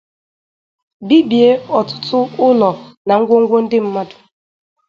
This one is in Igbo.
bibie ọtụtụ ụlọ na ngwongwo ndị mmadụ